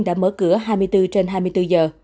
đã mở cửa hai mươi bốn trên hai mươi bốn giờ